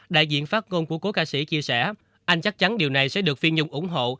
đại diện phát ngôn của cố ca sĩ chia sẻ anh chắc chắn điều này sẽ được phi nhung ủng hộ